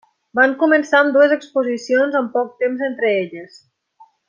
Van començar amb dues exposicions amb poc temps entre elles.